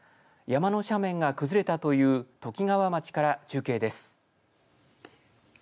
山の斜面が崩れたというときがわ町から中継です。